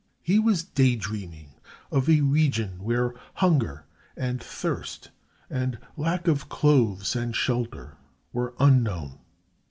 He was day dreaming of a region where hunger and thirst and lack of clothes and shelter were unknown.